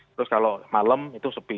terus kalau malam itu sepi